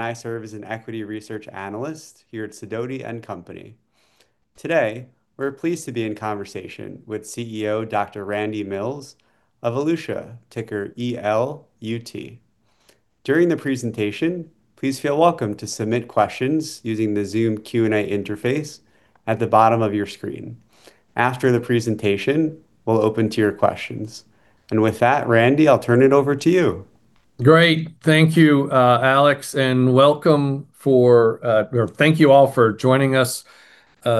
I serve as an equity research analyst here at Sidoti & Company. Today, we're pleased to be in conversation with CEO Dr. Randy Mills of Elutia, ticker ELUT. During the presentation, please feel welcome to submit questions using the Zoom Q&A interface at the bottom of your screen. After the presentation, we'll open to your questions. With that, Randy, I'll turn it over to you. Great. Thank you, Alex, and thank you all for joining us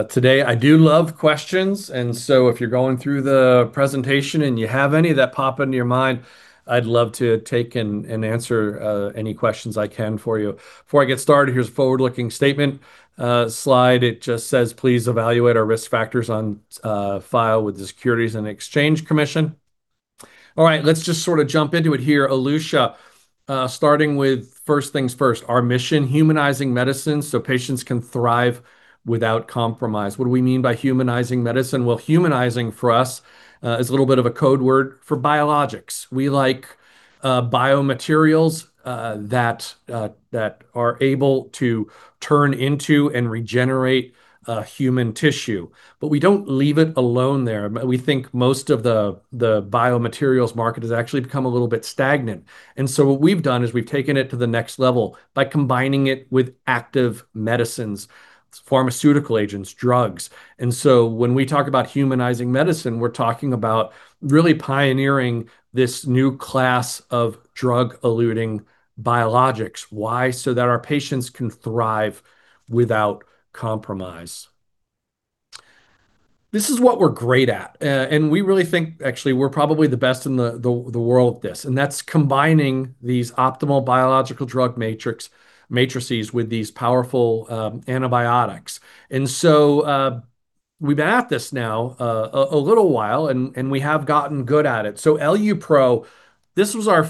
today. I do love questions, and so if you're going through the presentation and you have any that pop into your mind, I'd love to take and answer any questions I can for you. Before I get started, here's a forward-looking statement slide. It just says, "Please evaluate our risk factors on file with the Securities and Exchange Commission." All right, let's just sort of jump into it here. Elutia, starting with first things first, our mission: humanizing medicine so patients can thrive without compromise. What do we mean by humanizing medicine? Well, humanizing for us is a little bit of a code word for biologics. We like biomaterials that are able to turn into and regenerate human tissue. We don't leave it alone there. We think most of the biomaterials market has actually become a little bit stagnant. What we've done is we've taken it to the next level by combining it with active medicines, pharmaceutical agents, drugs. When we talk about humanizing medicine, we're talking about really pioneering this new class of drug-eluting biologics. Why? So that our patients can thrive without compromise. This is what we're great at. We really think actually we're probably the best in the world at this, and that's combining these optimal biological drug matrices with these powerful antibiotics. We've been at this now a little while and we have gotten good at it. EluPro, this was our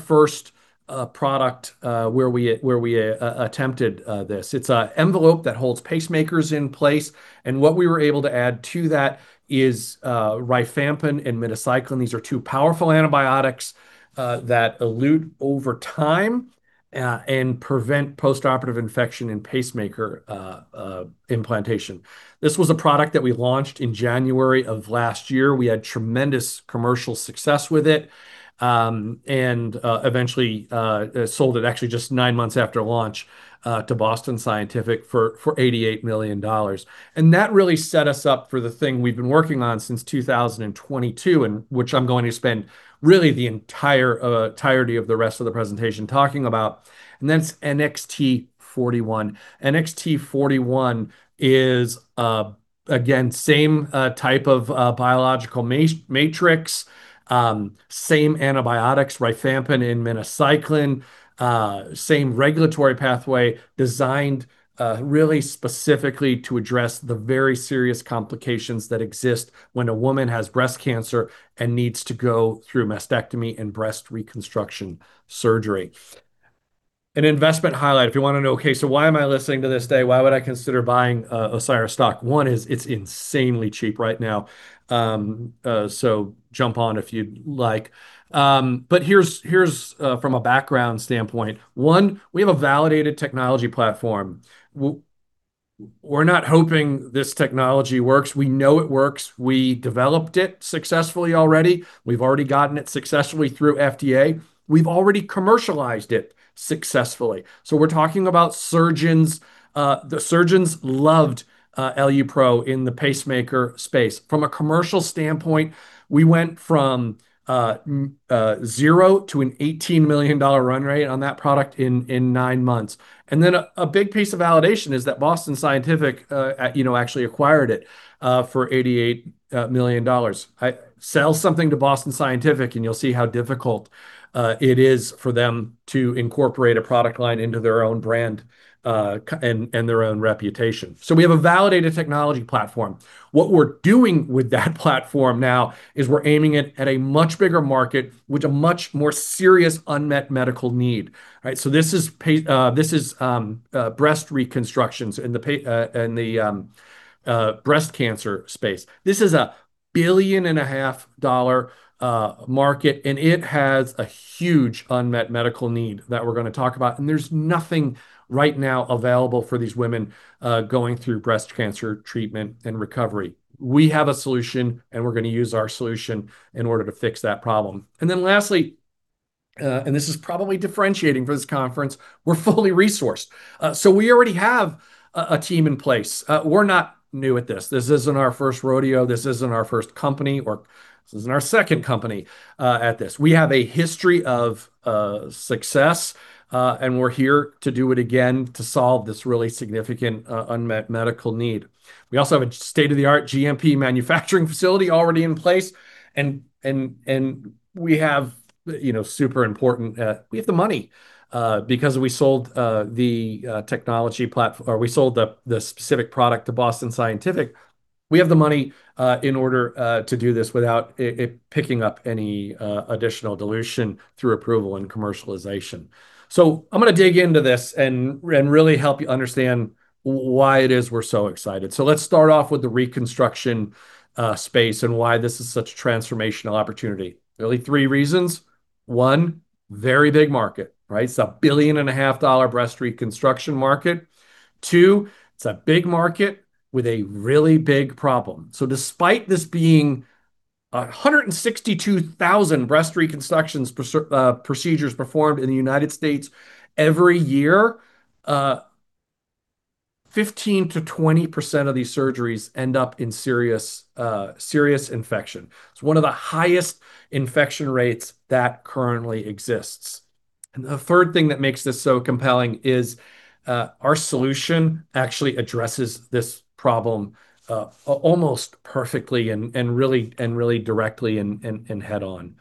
first product where we attempted this. It's an envelope that holds pacemakers in place, and what we were able to add to that is rifampin and minocycline. These are two powerful antibiotics that elute over time and prevent postoperative infection in pacemaker implantation. This was a product that we launched in January of last year. We had tremendous commercial success with it and eventually sold it actually just nine months after launch to Boston Scientific for $88 million. That really set us up for the thing we've been working on since 2022, and which I'm going to spend really the entire entirety of the rest of the presentation talking about, and that's NXT-41. NXT-41 is again same type of biological matrix, same antibiotics, rifampin and minocycline, same regulatory pathway designed really specifically to address the very serious complications that exist when a woman has breast cancer and needs to go through mastectomy and breast reconstruction surgery. An investment highlight, if you wanna know, okay, why am I listening to this today? Why would I consider buying Osiris stock? One is it's insanely cheap right now. Jump on if you'd like. Here's from a background standpoint. One, we have a validated technology platform. We're not hoping this technology works. We know it works. We developed it successfully already. We've already gotten it successfully through FDA. We've already commercialized it successfully. We're talking about surgeons. The surgeons loved EluPro in the pacemaker space. From a commercial standpoint, we went from zero to a $18 million run rate on that product in nine months. A big piece of validation is that Boston Scientific, you know, actually acquired it for $88 million. Sell something to Boston Scientific and you'll see how difficult it is for them to incorporate a product line into their own brand and their own reputation. We have a validated technology platform. What we're doing with that platform now is we're aiming it at a much bigger market with a much more serious unmet medical need. Right. This is breast reconstructions in the breast cancer space. This is a $1.5 billion market, and it has a huge unmet medical need that we're gonna talk about, and there's nothing right now available for these women going through breast cancer treatment and recovery. We have a solution, and we're gonna use our solution in order to fix that problem. Lastly, and this is probably differentiating for this conference, we're fully resourced. So we already have a team in place. We're not new at this. This isn't our first rodeo. This isn't our first company, or this isn't our second company at this. We have a history of success, and we're here to do it again to solve this really significant unmet medical need. We also have a state-of-the-art GMP manufacturing facility already in place, and we have, you know, super important, we have the money. Because we sold the specific product to Boston Scientific, we have the money in order to do this without it picking up any additional dilution through approval and commercialization. I'm gonna dig into this and really help you understand why it is we're so excited. Let's start off with the reconstruction space, and why this is such a transformational opportunity. Really three reasons. One, very big market, right? It's a $1.5 billion breast reconstruction market. Two, it's a big market with a really big problem. Despite this being 162,000 breast reconstructions procedures performed in the United States every year, 15%-20% of these surgeries end up in serious infection. It's one of the highest infection rates that currently exists. The third thing that makes this so compelling is our solution actually addresses this problem almost perfectly and really directly and head-on.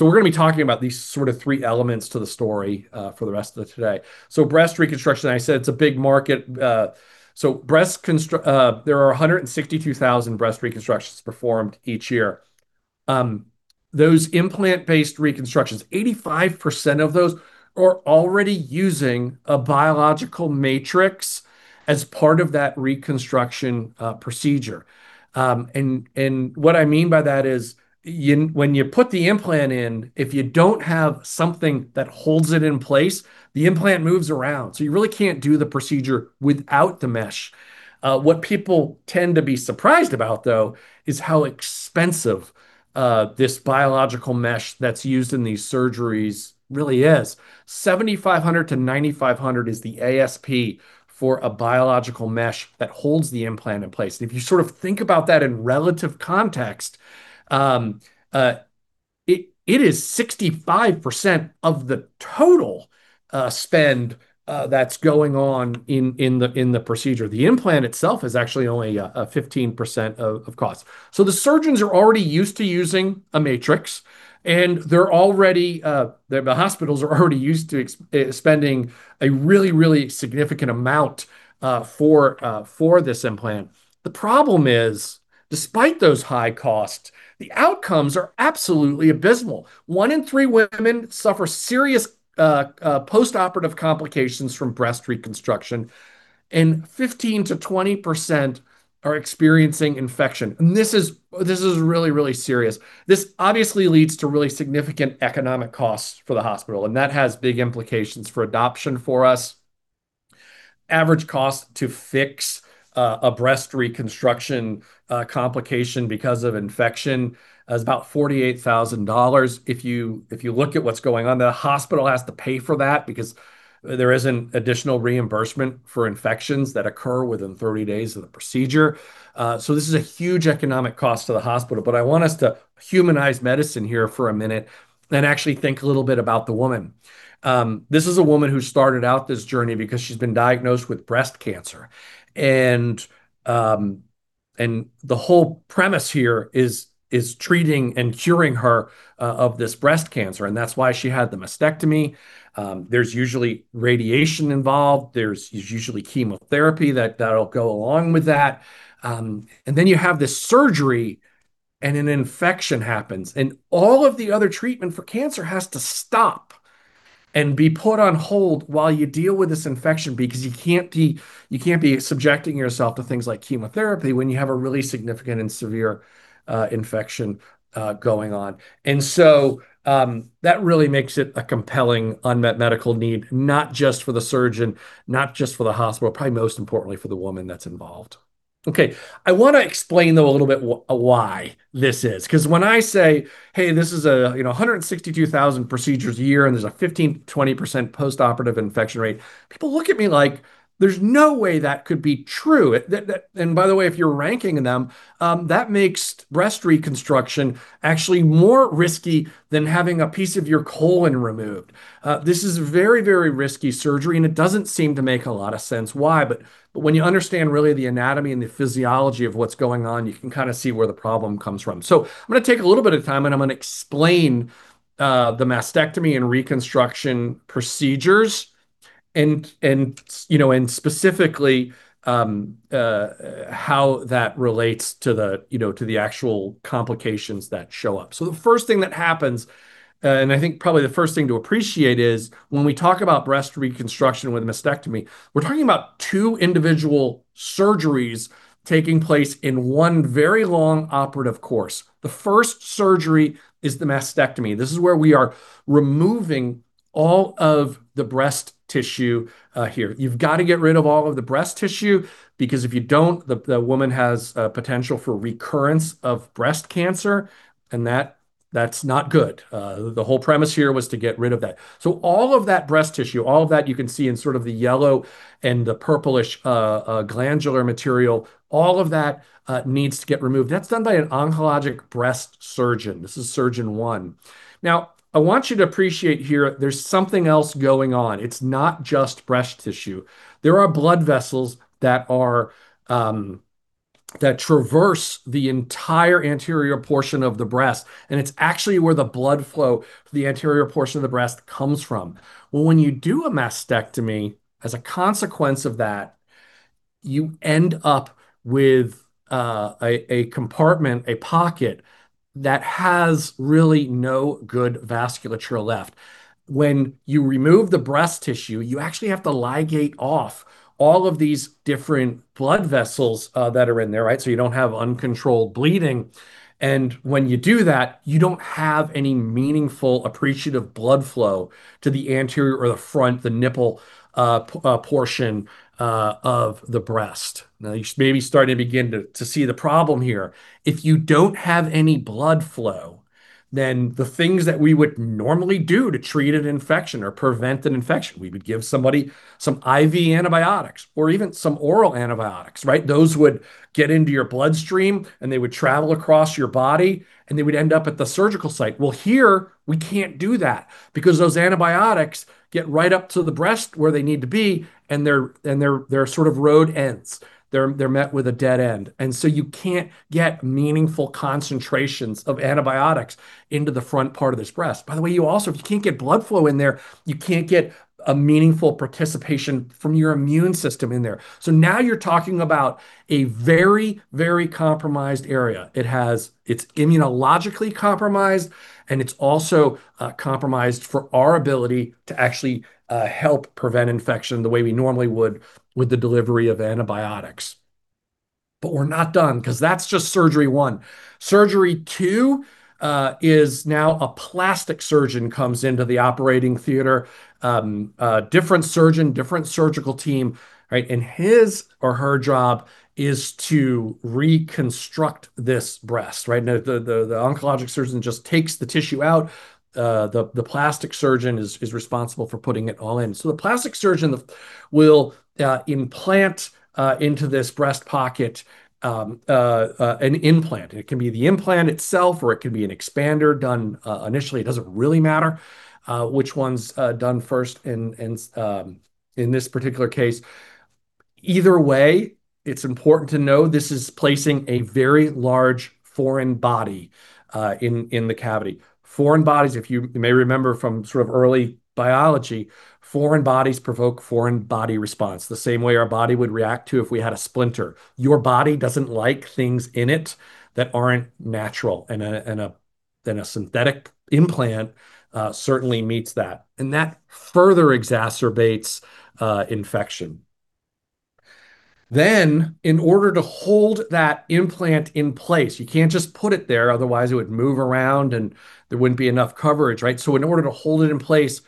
We're gonna be talking about these sort of three elements to the story for the rest of today. Breast reconstruction, I said it's a big market. There are 162,000 breast reconstructions performed each year. Those implant-based reconstructions, 85% of those are already using a biological matrix as part of that reconstruction procedure. What I mean by that is when you put the implant in, if you don't have something that holds it in place, the implant moves around, so you really can't do the procedure without the mesh. What people tend to be surprised about, though, is how expensive this biological mesh that's used in these surgeries really is. $7,500-$9,500 is the ASP for a biological mesh that holds the implant in place. If you sort of think about that in relative context, it is 65% of the total spend that's going on in the procedure. The implant itself is actually only 15% of cost. The surgeons are already used to using a matrix, and they're already the hospitals are already used to spending a really significant amount for this implant. The problem is, despite those high costs, the outcomes are absolutely abysmal. One in three women suffer serious postoperative complications from breast reconstruction, and 15%-20% are experiencing infection, and this is really serious. This obviously leads to really significant economic costs for the hospital, and that has big implications for adoption for us. Average cost to fix a breast reconstruction complication because of infection is about $48,000. If you look at what's going on, the hospital has to pay for that because there isn't additional reimbursement for infections that occur within 30 days of the procedure. This is a huge economic cost to the hospital, but I want us to humanize medicine here for a minute and actually think a little bit about the woman. This is a woman who started out this journey because she's been diagnosed with breast cancer, and the whole premise here is treating and curing her of this breast cancer, and that's why she had the mastectomy. There's usually radiation involved. There's usually chemotherapy that'll go along with that. Then you have this surgery, and an infection happens, and all of the other treatment for cancer has to stop and be put on hold while you deal with this infection because you can't be subjecting yourself to things like chemotherapy when you have a really significant and severe infection going on. That really makes it a compelling unmet medical need, not just for the surgeon, not just for the hospital, probably most importantly for the woman that's involved. Okay. I wanna explain, though, a little bit why this is 'cause when I say, "Hey, this is a, you know, 162,000 procedures a year, and there's a 15%-20% postoperative infection rate," people look at me like there's no way that could be true. That and by the way, if you're ranking them, that makes breast reconstruction actually more risky than having a piece of your colon removed. This is very, very risky surgery, and it doesn't seem to make a lot of sense why, but when you understand really the anatomy and the physiology of what's going on, you can kinda see where the problem comes from. I'm gonna take a little bit of time, and I'm gonna explain the mastectomy and reconstruction procedures and specifically how that relates to the actual complications that show up. The first thing that happens, and I think probably the first thing to appreciate is when we talk about breast reconstruction with a mastectomy, we're talking about two individual surgeries taking place in one very long operative course. The first surgery is the mastectomy. This is where we are removing all of the breast tissue here. You've gotta get rid of all of the breast tissue because if you don't, the woman has a potential for recurrence of breast cancer and that's not good. The whole premise here was to get rid of that. All of that breast tissue, all of that you can see in sort of the yellow and the purplish, glandular material, all of that, needs to get removed. That's done by an oncologic breast surgeon. This is surgeon one. Now, I want you to appreciate here there's something else going on. It's not just breast tissue. There are blood vessels that are, that traverse the entire anterior portion of the breast, and it's actually where the blood flow to the anterior portion of the breast comes from. Well, when you do a mastectomy, as a consequence of that. You end up with, a compartment, a pocket that has really no good vasculature left. When you remove the breast tissue, you actually have to ligate off all of these different blood vessels, that are in there, right? You don't have uncontrolled bleeding, and when you do that, you don't have any meaningful appreciable blood flow to the anterior or the front, the nipple, portion of the breast. Now you maybe start to see the problem here. If you don't have any blood flow, then the things that we would normally do to treat an infection or prevent an infection, we would give somebody some IV antibiotics or even some oral antibiotics, right? Those would get into your bloodstream, and they would travel across your body, and they would end up at the surgical site. Well, here we can't do that because those antibiotics get right up to the breast where they need to be, and they're sort of dead ends. They're met with a dead end. You can't get meaningful concentrations of antibiotics into the front part of this breast. By the way, you also, if you can't get blood flow in there, you can't get a meaningful participation from your immune system in there. Now you're talking about a very, very compromised area. It's immunologically compromised, and it's also compromised for our ability to actually help prevent infection the way we normally would with the delivery of antibiotics. We're not done, 'cause that's just surgery one. Surgery two is now a plastic surgeon comes into the operating theater. A different surgeon, different surgical team, right? And his or her job is to reconstruct this breast, right? Now the oncologic surgeon just takes the tissue out. The plastic surgeon is responsible for putting it all in. The plastic surgeon will implant into this breast pocket an implant. It can be the implant itself, or it can be an expander done initially. It doesn't really matter which one's done first in this particular case. Either way, it's important to know this is placing a very large foreign body in the cavity. Foreign bodies, if you may remember from sort of early biology, provoke foreign body response, the same way our body would react to if we had a splinter. Your body doesn't like things in it that aren't natural, and a synthetic implant certainly meets that, and that further exacerbates infection. In order to hold that implant in place, you can't just put it there, otherwise it would move around, and there wouldn't be enough coverage, right? In order to hold it in place,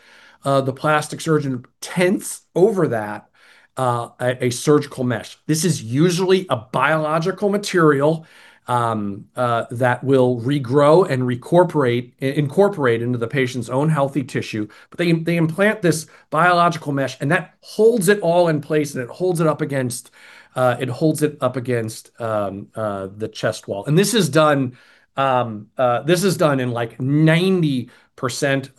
the plastic surgeon tents over that, a surgical mesh. This is usually a biological material that will regrow and incorporate into the patient's own healthy tissue. They implant this biological mesh, and that holds it all in place, and it holds it up against the chest wall. This is done in like 90%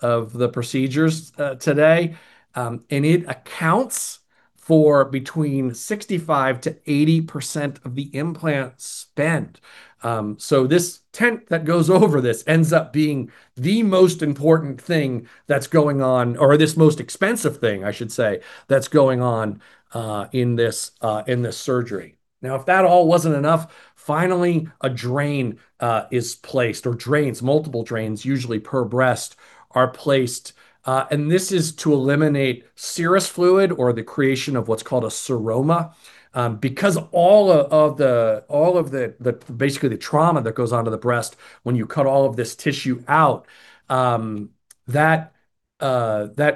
of the procedures today. It accounts for between 65%-80% of the implant spend. This tent that goes over this ends up being the most important thing that's going on, or this most expensive thing, I should say, that's going on, in this surgery. Now, if that all wasn't enough, finally a drain is placed, or drains, multiple drains usually per breast are placed. This is to eliminate serous fluid or the creation of what's called a seroma. Because all of the basically the trauma that goes on to the breast when you cut all of this tissue out, that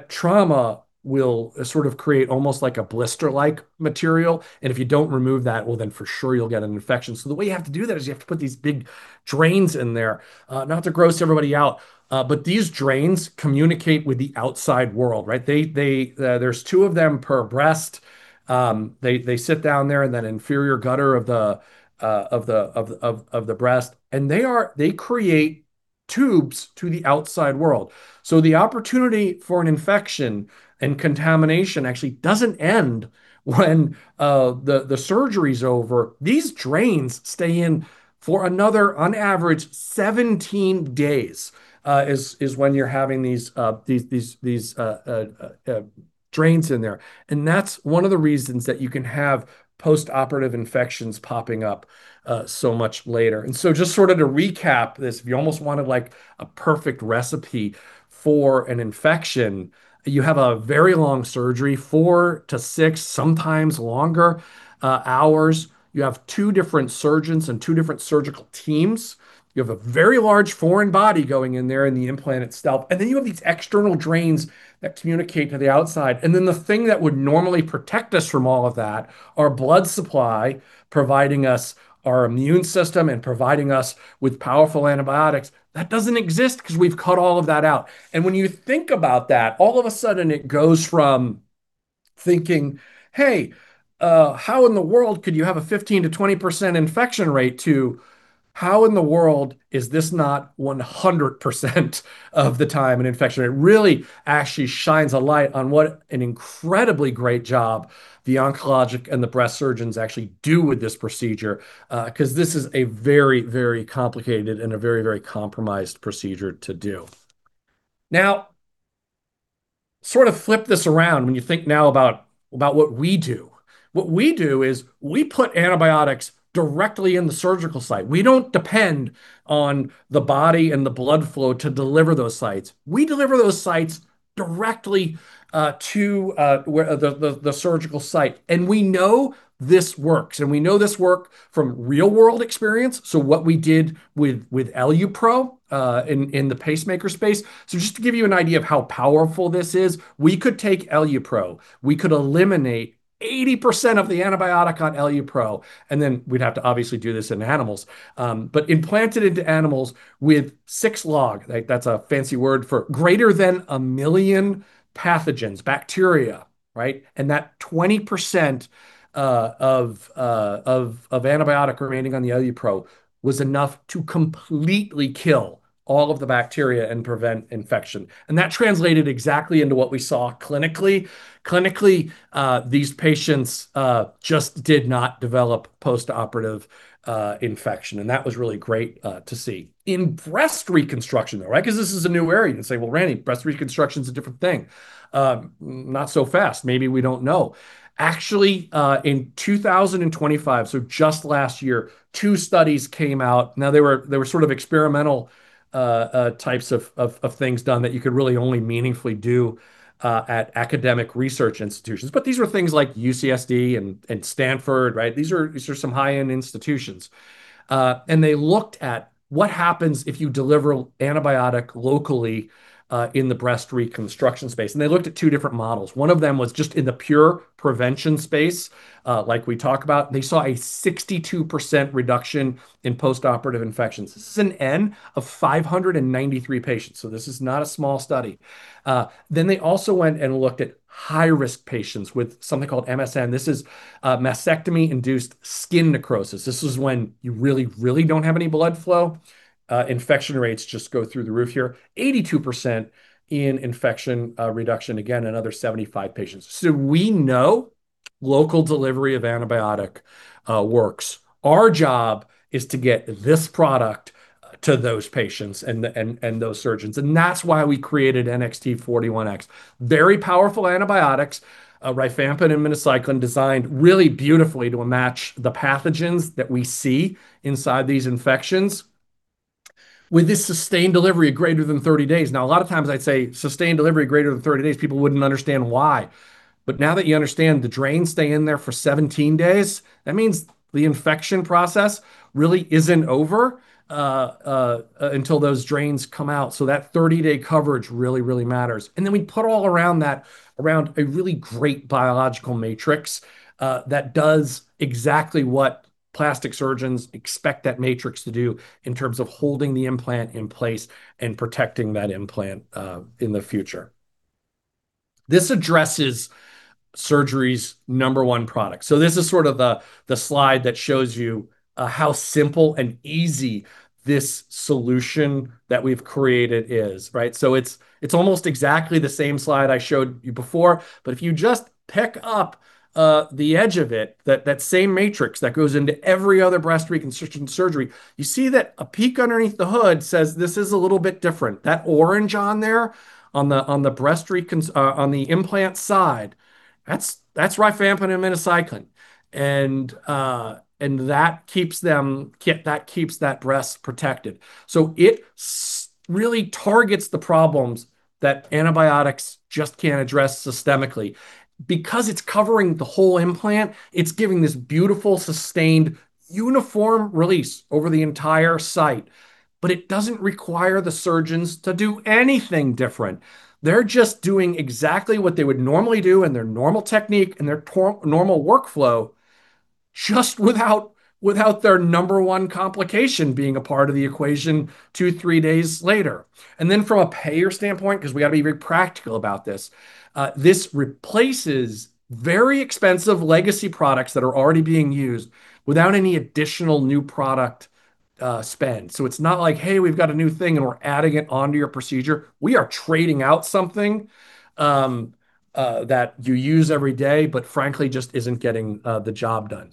trauma will sort of create almost like a blister-like material, and if you don't remove that, well then for sure you'll get an infection. The way you have to do that is you have to put these big drains in there. Not to gross everybody out, but these drains communicate with the outside world, right? There's two of them per breast. They sit down there in that inferior gutter of the breast, and they create tubes to the outside world. The opportunity for an infection and contamination actually doesn't end when the surgery's over. These drains stay in for another, on average, 17 days, when you're having these drains in there, and that's one of the reasons that you can have postoperative infections popping up so much later. Just sort of to recap this, if you almost wanted, like, a perfect recipe for an infection, you have a very long surgery, 4-6, sometimes longer, hours. You have two different surgeons and two different surgical teams. You have a very large foreign body going in there in the implant itself, and then you have these external drains that communicate to the outside. The thing that would normally protect us from all of that, our blood supply providing us our immune system and providing us with powerful antibiotics, that doesn't exist 'cause we've cut all of that out. When you think about that, all of a sudden it goes from thinking, "Hey, how in the world could you have a 15%-20% infection rate?" to, "How in the world is this not 100% of the time an infection rate?" Really actually shines a light on what an incredibly great job the oncologic and the breast surgeons actually do with this procedure, 'cause this is a very, very complicated and a very, very compromised procedure to do. Now. Sort of flip this around when you think now about what we do. What we do is we put antibiotics directly in the surgical site. We don't depend on the body and the blood flow to deliver to the site. We deliver those sites directly to the surgical site, and we know this works, and we know this work from real world experience. What we did with EluPro in the pacemaker space. Just to give you an idea of how powerful this is, we could take EluPro, we could eliminate 80% of the antibiotic on EluPro, and then we'd have to obviously do this in animals. But implanted into animals with six-log, like that's a fancy word for greater than 1 million pathogens, bacteria, right? That 20% of antibiotic remaining on the EluPro was enough to completely kill all of the bacteria and prevent infection. That translated exactly into what we saw clinically. Clinically, these patients just did not develop postoperative infection, and that was really great to see. In breast reconstruction though, right? 'Cause this is a new area and say, "Well, Randy, breast reconstruction's a different thing." Not so fast. Maybe we don't know. Actually, in 2025, so just last year, two studies came out. Now they were sort of experimental types of things done that you could really only meaningfully do at academic research institutions. These were things like UCSD and Stanford, right? These are some high-end institutions. They looked at what happens if you deliver antibiotic locally in the breast reconstruction space. They looked at two different models. One of them was just in the pure prevention space, like we talk about. They saw a 62% reduction in postoperative infections. This is an N of 593 patients, so this is not a small study. Then they also went and looked at high-risk patients with something called MSN. This is mastectomy-induced skin necrosis. This is when you really don't have any blood flow. Infection rates just go through the roof here. 82% in infection reduction. Again, another 75 patients. We know local delivery of antibiotic works. Our job is to get this product to those patients and those surgeons, and that's why we created NXT-41x. Very powerful antibiotics, rifampin and minocycline designed really beautifully to match the pathogens that we see inside these infections with this sustained delivery greater than 30 days. Now, a lot of times I'd say sustained delivery greater than 30 days, people wouldn't understand why. Now that you understand the drains stay in there for 17 days, that means the infection process really isn't over until those drains come out, so that 30-day coverage really, really matters. We put all around that a really great biological matrix that does exactly what plastic surgeons expect that matrix to do in terms of holding the implant in place and protecting that implant in the future. This addresses surgery's number one product. This is sort of the slide that shows you how simple and easy this solution that we've created is, right? It's almost exactly the same slide I showed you before. If you just pick up the edge of it, that same matrix that goes into every other breast reconstruction surgery, you see that a peek underneath the hood says this is a little bit different. That orange on there, on the implant side, that's rifampin and minocycline. That keeps that breast protected. It really targets the problems that antibiotics just can't address systemically. Because it's covering the whole implant, it's giving this beautiful, sustained, uniform release over the entire site. It doesn't require the surgeons to do anything different. They're just doing exactly what they would normally do in their normal technique, in their normal workflow, just without their number one complication being a part of the equation two, three days later. From a payer standpoint, 'cause we gotta be very practical about this replaces very expensive legacy products that are already being used without any additional new product spend. It's not like, "Hey, we've got a new thing, and we're adding it onto your procedure." We are trading out something that you use every day but frankly just isn't getting the job done.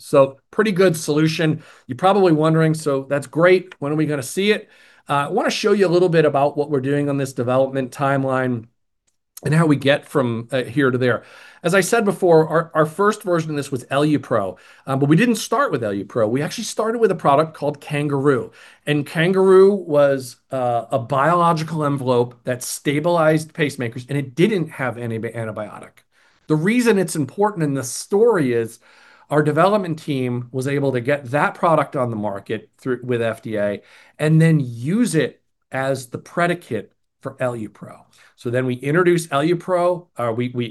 Pretty good solution. You're probably wondering, "So that's great. When are we gonna see it?" I wanna show you a little bit about what we're doing on this development timeline and how we get from here to there. As I said before, our first version of this was EluPro. We didn't start with EluPro. We actually started with a product called CanGaroo, and CanGaroo was a biological envelope that stabilized pacemakers, and it didn't have any antibiotic. The reason it's important in the story is our development team was able to get that product on the market through with FDA and then use it as the predicate for EluPro. We introduce EluPro.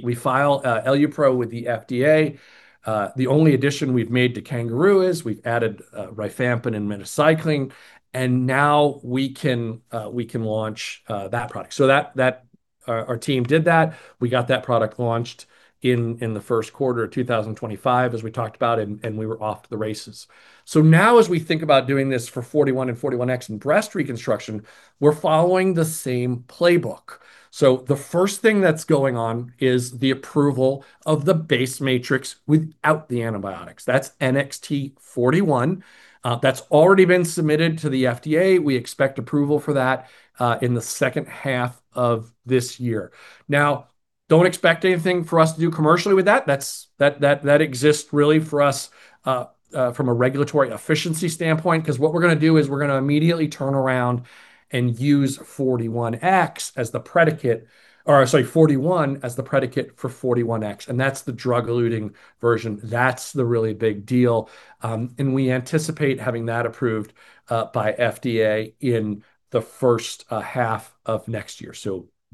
We file EluPro with the FDA. The only addition we've made to CanGaroo is we've added rifampin and minocycline, and now we can launch that product. Our team did that. We got that product launched in the first quarter of 2025, as we talked about, and we were off to the races. Now as we think about doing this for NXT-41 and NXT-41x in breast reconstruction, we're following the same playbook. The first thing that's going on is the approval of the base matrix without the antibiotics. That's NXT-41. That's already been submitted to the FDA. We expect approval for that in the second half of this year. Now don't expect anything for us to do commercially with that. That's that exists really for us from a regulatory efficiency standpoint, 'cause what we're gonna do is we're gonna immediately turn around and use NXT-41x as the predicate, or sorry, NXT-41 as the predicate for NXT-41x, and that's the drug-eluting version. That's the really big deal. And we anticipate having that approved by FDA in the first half of next year.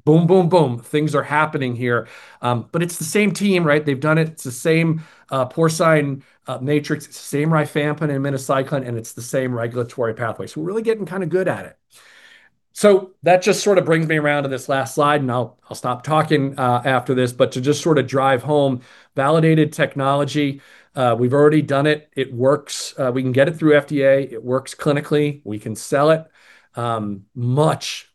Boom, boom, things are happening here. It's the same team, right? They've done it. It's the same porcine matrix, it's the same rifampin and minocycline, and it's the same regulatory pathway. We're really getting kind of good at it. That just sort of brings me around to this last slide, and I'll stop talking after this. To just sort of drive home, validated technology, we've already done it. It works. We can get it through FDA. It works clinically. We can sell it. Much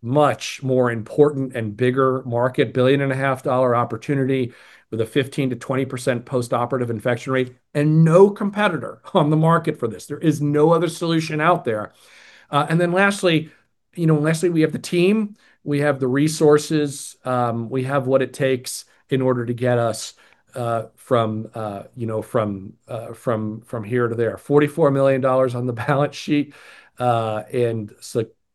more important and bigger market, $1.5 billion opportunity with a 15%-20% postoperative infection rate and no competitor on the market for this. There is no other solution out there. Lastly, you know, we have the team, we have the resources, we have what it takes in order to get us from here to there. $44 million on the balance sheet,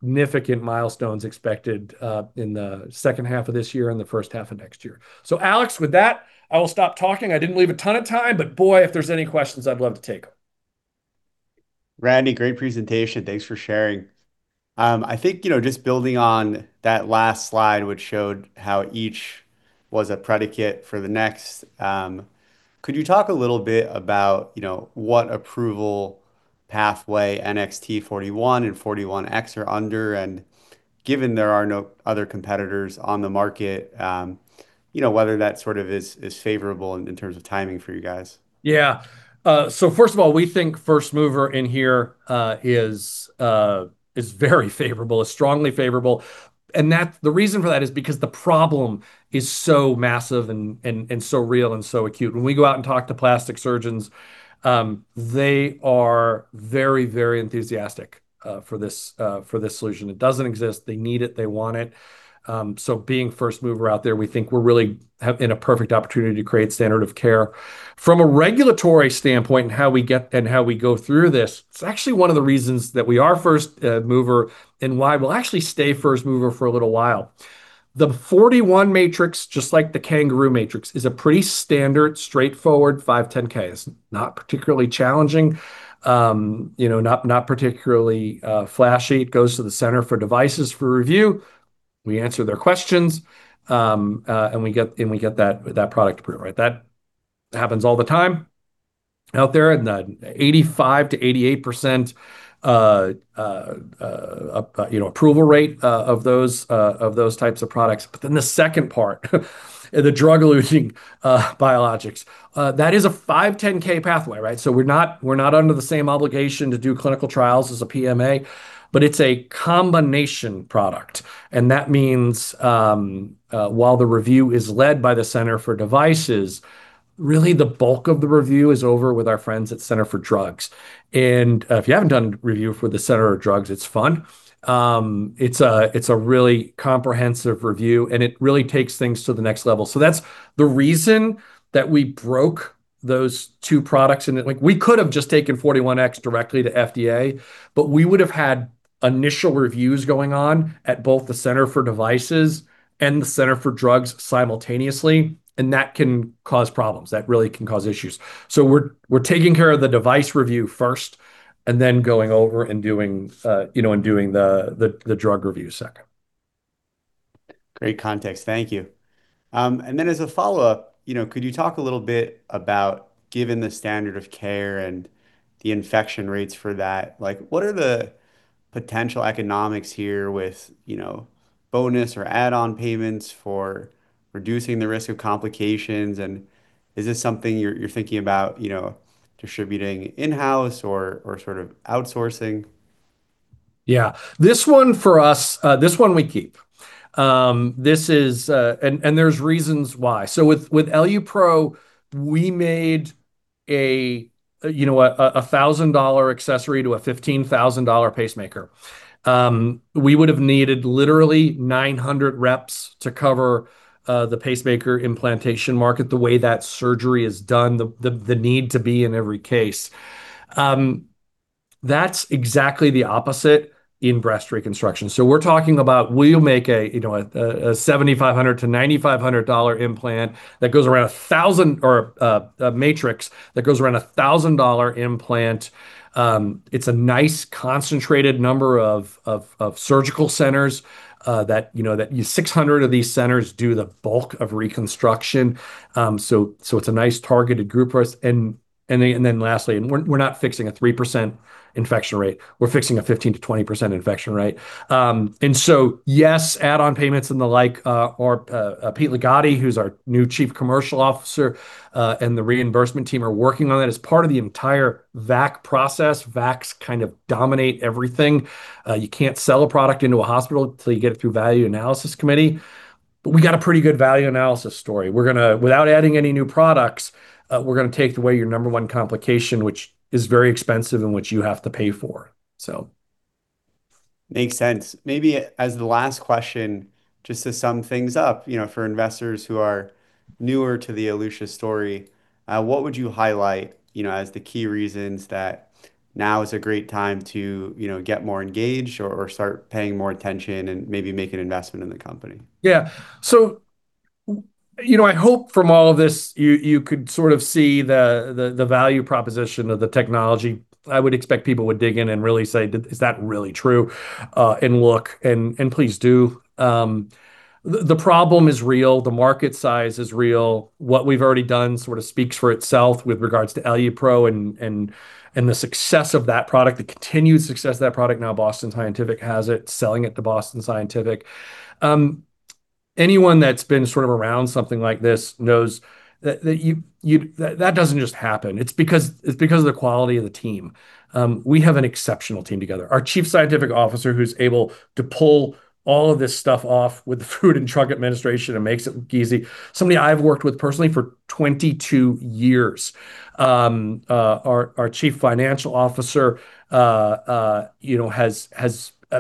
and significant milestones expected in the second half of this year and the first half of next year. Alex, with that, I will stop talking. I didn't leave a ton of time, but boy, if there's any questions, I'd love to take them. Randy, great presentation. Thanks for sharing. I think, you know, just building on that last slide, which showed how each was a predicate for the next, could you talk a little bit about, you know, what approval pathway NXT-41 and NXT-41x are under? Given there are no other competitors on the market, you know, whether that sort of is favorable in terms of timing for you guys. Yeah. So first of all, we think first mover in here is very favorable, is strongly favorable, and that the reason for that is because the problem is so massive and so real and so acute. When we go out and talk to plastic surgeons, they are very enthusiastic for this solution. It doesn't exist. They need it. They want it. So being first mover out there, we think we're really in a perfect opportunity to create standard of care. From a regulatory standpoint and how we get, and how we go through this, it's actually one of the reasons that we are first mover and why we'll actually stay first mover for a little while. The 41 matrix, just like the CanGaroo matrix, is a pretty standard, straightforward 510(k). It's not particularly challenging, you know, not particularly flashy. It goes to the Center for Devices for review. We answer their questions, and we get that product approved, right? That happens all the time out there, and the 85%-88% approval rate of those types of products. The second part, the drug-eluting biologics, that is a 510 pathway, right? We're not under the same obligation to do clinical trials as a PMA, but it's a combination product. That means, while the review is led by the Center for Devices, really the bulk of the review is over with our friends at Center for Drugs. If you haven't done review for the Center for Drugs, it's fun. It's a really comprehensive review, and it really takes things to the next level. That's the reason that we broke those two products. Like, we could have just taken 41x directly to FDA, but we would have had initial reviews going on at both the Center for Devices and the Center for Drugs simultaneously, and that can cause problems. That really can cause issues. We're taking care of the device review first, and then going over and doing, you know, the drug review second. Great context. Thank you. As a follow-up, you know, could you talk a little bit about, given the standard of care and the infection rates for that, like, what are the potential economics here with, you know, bonus or add-on payments for reducing the risk of complications? Is this something you're thinking about, you know, distributing in-house or sort of outsourcing? Yeah. This one for us, this one we keep. This is... There's reasons why. With EluPro, we made a $1,000 accessory to a $15,000 pacemaker. We would have needed literally 900 reps to cover the pacemaker implantation market, the way that surgery is done, the need to be in every case. That's exactly the opposite in breast reconstruction. We're talking about will you make a $7,500-$9,500 implant that goes around a $1,000 or a matrix that goes around a $1,000 implant. It's a nice concentrated number of surgical centers that 600 of these centers do the bulk of reconstruction. It's a nice targeted group for us. Lastly, we're not fixing a 3% infection rate. We're fixing a 15%-20% infection rate. Yes, add-on payments and the like, Pete Ligotti, who's our new Chief Commercial Officer, and the reimbursement team are working on that as part of the entire VAC process. VACs kind of dominate everything. You can't sell a product into a hospital until you get it through Value Analysis Committee. We got a pretty good value analysis story. We're gonna, without adding any new products, take away your number one complication, which is very expensive and which you have to pay for. Makes sense. Maybe as the last question, just to sum things up, you know, for investors who are newer to the Elutia story, what would you highlight, you know, as the key reasons that now is a great time to, you know, get more engaged or start paying more attention and maybe make an investment in the company? Yeah. You know, I hope from all of this you could sort of see the value proposition of the technology. I would expect people would dig in and really say, "Is that really true?" and look and please do. The problem is real. The market size is real. What we've already done sort of speaks for itself with regards to EluPro and the success of that product, the continued success of that product. Now Boston Scientific has it, selling it to Boston Scientific. Anyone that's been sort of around something like this knows that you... That doesn't just happen. It's because of the quality of the team. We have an exceptional team together. Our Chief Scientific Officer, who's able to pull all of this stuff off with the Food and Drug Administration and makes it look easy, somebody I've worked with personally for 22 years. Our Chief Financial Officer, you know, has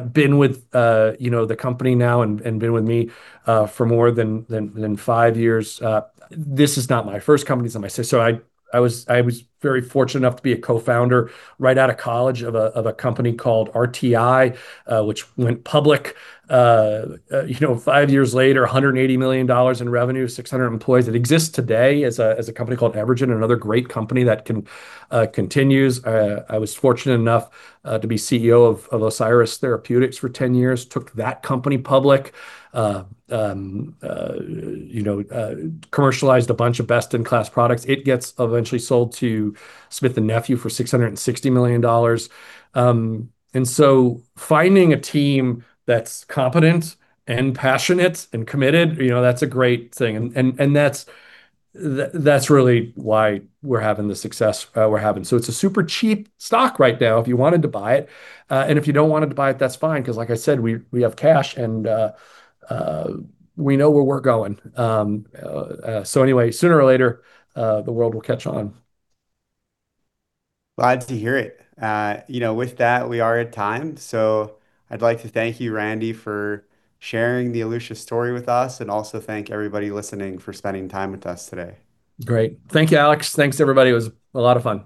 been with the company now and been with me for more than five years. This is not my first company. This is my second. I was very fortunate to be a Co-founder right out of college of a company called RTI, which went public, you know, five years later, $180 million in revenue, 600 employees. It exists today as a company called Evergen, another great company that continues. I was fortunate enough to be CEO of Osiris Therapeutics for 10 years. Took that company public. You know, commercialized a bunch of best-in-class products. It gets eventually sold to Smith & Nephew for $660 million. Finding a team that's competent and passionate and committed, you know, that's a great thing and that's really why we're having the success we're having. It's a super cheap stock right now if you wanted to buy it. If you don't want to buy it, that's fine 'cause like I said we have cash and we know where we're going. Anyway, sooner or later, the world will catch on. Glad to hear it. You know, with that, we are at time, so I'd like to thank you, Randy, for sharing the Elutia story with us and also thank everybody listening for spending time with us today. Great. Thank you, Alex. Thanks, everybody. It was a lot of fun.